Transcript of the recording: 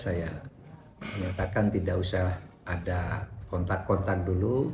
saya menyatakan tidak usah ada kontak kontak dulu